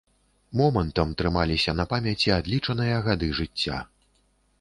Момантам трымаліся на памяці адлічаныя гады жыцця.